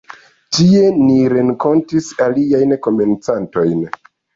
Tie, ni renkontis aliajn komencantojn.